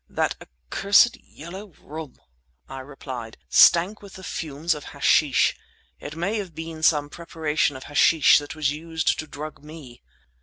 "That accursed yellow room," I replied, "stank with the fumes of hashish. It may have been some preparation of hashish that was used to drug me."